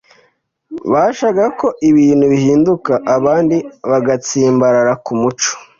bashakaga ko ibintu bihinduka, abandi bagatsimbarara ku muco